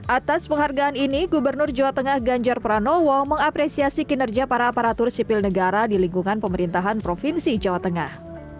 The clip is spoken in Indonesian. atas penghargaan ini gubernur jawa tengah ganjar pranowo mengapresiasi kinerja para aparatur sipil negara di lingkungan pemerintahan provinsi jawa tengah